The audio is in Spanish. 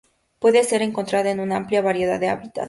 Puede ser encontrada en una amplia variedad de hábitats.